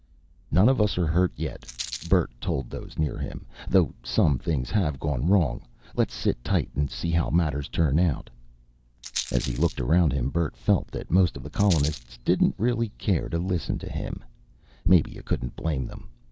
"None of us are hurt, yet," Bert told those near him, "though some things have gone wrong. Let's sit tight and see how matters turn out." As he looked around him Bert felt that most of the colonists didn't really care to listen to him. Maybe you couldn't blame them.